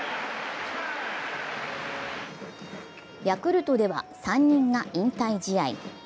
ヤクルトでは３人が引退試合。